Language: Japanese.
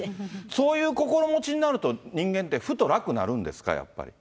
そういう心持ちになると、人間ってふと、楽になるんですか？